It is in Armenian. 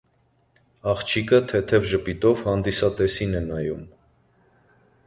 Աղջիկը թեթև ժպիտով հանդիսատեսին է նայում։